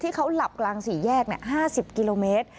เขาหลับกลางสี่แยก๕๐กิโลเมตร